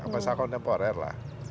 masalah kontemporer lah